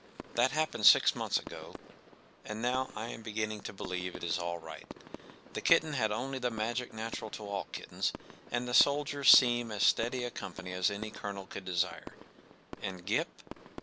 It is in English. ... That happened six months ago. And now I am beginning to believe it is all right. The kitten has only the magic natural to all kittens, and the soldiers seem as steady a company as any colonel could desire. And Gip